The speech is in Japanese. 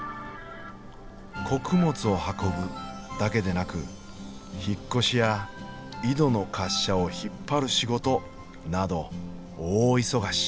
穀物を運ぶだけでなく引っ越しや井戸の滑車を引っ張る仕事など大忙し。